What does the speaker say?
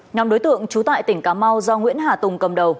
nhóm đối tượng trú tại tỉnh cà mau do nguyễn hà tùng cầm đầu